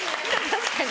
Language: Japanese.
確かに。